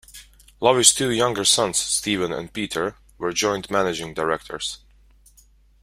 Lowy's two younger sons, Steven and Peter, were joint managing directors.